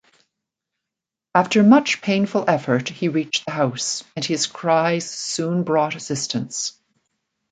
After much painful effort he reached the house, and his cries soon brought assistance.